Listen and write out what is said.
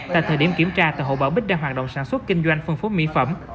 tại thời điểm kiểm tra tờ hộ bà bích đang hoạt động sản xuất kinh doanh phân phố mỹ phẩm